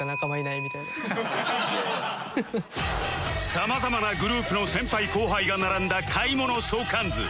さまざまなグループの先輩・後輩が並んだ買い物相関図